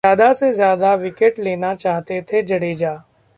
ज्यादा से ज्यादा विकेट लेना चाहते थे जडेजा